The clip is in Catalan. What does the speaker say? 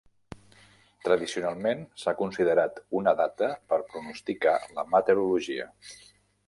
Tradicionalment s'ha considerat una data per pronosticar la meteorologia.